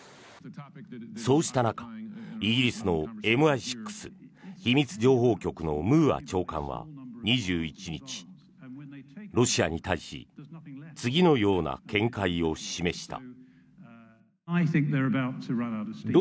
そうした中、イギリスのＭＩ６・秘密情報局のムーア長官は２１日ロシアに対し次のような見解を示した。